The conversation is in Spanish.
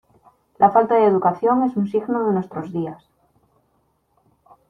La falta de educación es un signo de nuestros días.